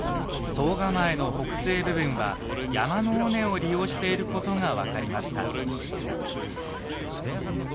総構の北西部分は山の尾根を利用していることが分かりました。